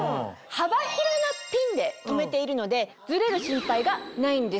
幅広のピンで留めているのでズレる心配がないんですよ。